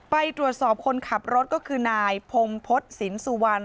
ไปตรวจสอบคนขับรถก็คือนายพงพฤษสินสุวรรณ